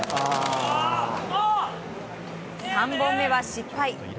３本目は失敗。